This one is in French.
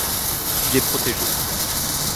Il est protégé.